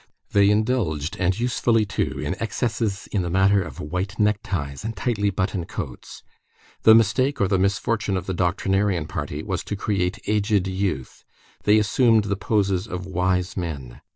They indulged, and usefully too, in excesses in the matter of white neckties and tightly buttoned coats. The mistake or the misfortune of the doctrinarian party was to create aged youth. They assumed the poses of wise men.